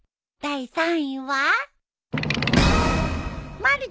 第３位は。